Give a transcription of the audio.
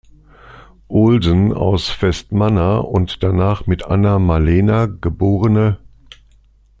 Olsen, aus Vestmanna und danach mit Anna Malena, geb.